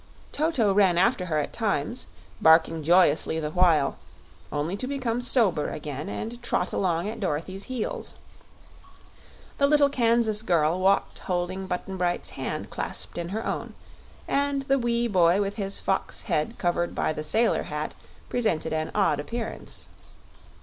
Toto ran after her at times, barking joyously the while, only to become sober again and trot along at Dorothy's heels. The little Kansas girl walked holding Button Bright's hand clasped in her own, and the wee boy with his fox head covered by the sailor hat presented an odd appearance.